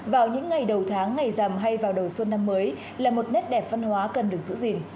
vào những ngày đầu tháng ngày rằm hay vào đầu xuân năm mới là một nét đẹp văn hóa cần được giữ gìn